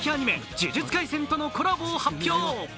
「呪術廻戦」とのコラボを発表。